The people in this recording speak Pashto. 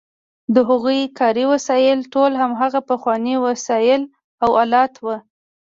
د هغوی کاري وسایل ټول هماغه پخواني وسایل او آلات وو.